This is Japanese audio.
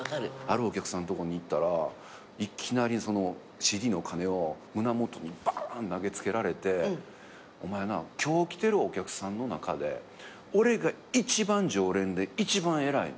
あるお客さんとこに行ったらいきなりＣＤのお金を胸元にバーン投げつけられて「お前な今日来てるお客さんの中で俺が一番常連で一番偉い。